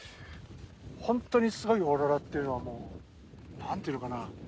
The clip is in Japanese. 本当にすごいオーロラっていうのはもう何て言うのかな？